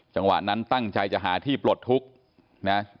จังหวะนั้นตั้งใจจะหาที่ปลดทุกข์นะ